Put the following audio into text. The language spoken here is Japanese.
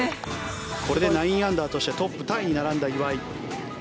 これで９アンダーとしてトップタイに並んだ岩井。